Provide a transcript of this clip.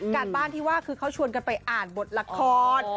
การบ้านที่ว่าคือเขาชวนกันไปอ่านบทละคร